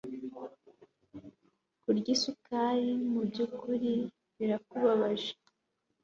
Kurya isukari mubyukuri birakubabaje